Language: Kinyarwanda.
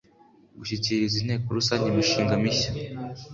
gushyikiriza inteko rusange imishinga mishya